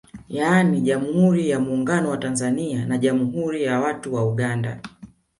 Yani Jammhuri ya Muungano wa Tanzania na Jammhuri ya watu wa Uganda